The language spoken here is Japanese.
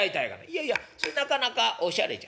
「いやいやそれなかなかおしゃれじゃ。